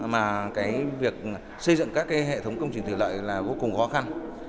mà cái việc xây dựng các hệ thống công trình thủy lợi là vô cùng khó khăn